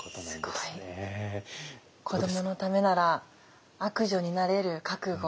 すごい。子どものためなら悪女になれる覚悟。